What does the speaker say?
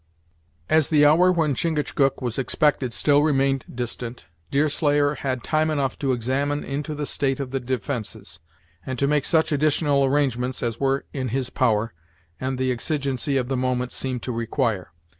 As the hour when Chingachgook was expected still remained distant, Deerslayer had time enough to examine into the state of the defences, and to make such additional arrangements as were in his power, and the exigency of the moment seemed to require.